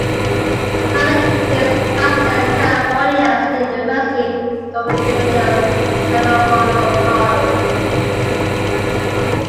Plana teaches acting at California State University, Dominguez Hills and Rio Hondo College.